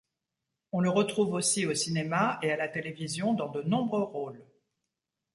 On le retrouve aussi au cinéma et à la télévision dans de nombreux rôles.